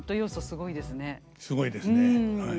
すごいですねはい。